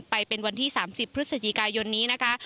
ไปเป็นวันที่๓๐พฤศจิกายนนี้นะคะ